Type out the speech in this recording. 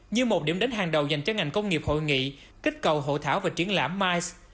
như một điểm đến hàng đầu dành cho ngành công nghiệp hội nghị kích cầu hộ thảo và triển lãm mice